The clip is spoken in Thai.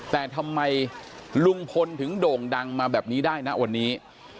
แต่ทำไมลุงพลถึงโด่งดังมาแบบนี้ได้นะวันนี้